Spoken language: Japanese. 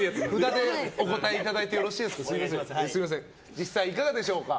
実際いかがでしょうか。